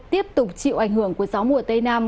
tiếp tục chịu ảnh hưởng của gió mùa tây nam